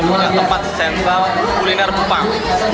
ada tempat sentral kuliner kupang